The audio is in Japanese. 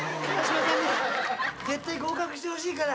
絶対合格してほしいから。